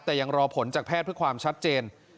แต่ยังรอผลจากแพทย์เพื่อความชัดเจน